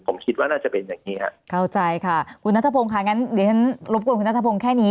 ผมคิดว่าน่าจะเป็นอย่างนี้